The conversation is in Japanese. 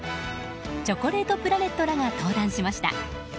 チョコレートプラネットらが登壇しました。